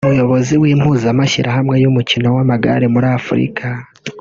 Umuyobozi w’impuzamashyirahamwe y’umukino w’amagare muri Afurika